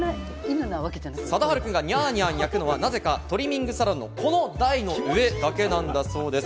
サダハルくんがニャーニャー鳴くのはなぜかトリミングサロンのこの台の上だけなんだそうです。